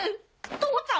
父ちゃん！